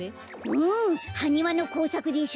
うんハニワのこうさくでしょ？